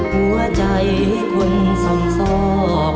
หัวใจคุณส่องสอบ